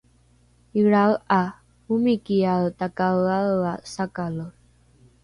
ilrae ’a omikiae takaeaea sakale